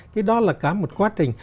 cái đó là cả một quá trình